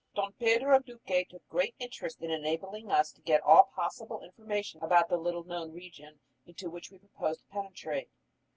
Don Pedro Duque took great interest in enabling us to get all possible information about the little known region into which we proposed to penetrate.